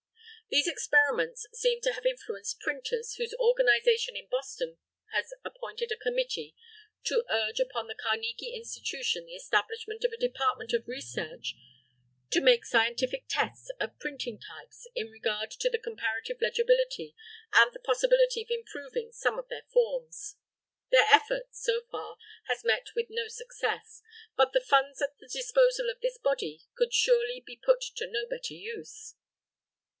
These experiments seem to have influenced printers, whose organization in Boston has appointed a committee to urge upon the Carnegie Institution the establishment of a department of research to make scientific tests of printing types in regard to the comparative legibility and the possibility of improving some of their forms. Their effort, so far, has met with no success; but the funds at the disposal of this body could surely be put to no better use.